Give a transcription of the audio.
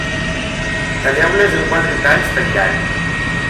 Talleu-les en quatre talls pel llarg.